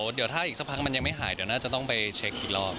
เดี๋ยวถ้าอีกสักพักมันยังไม่หายเดี๋ยวน่าจะต้องไปเช็คอีกรอบ